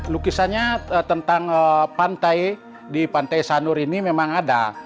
lukisannya tentang pantai di pantai sanur ini memang ada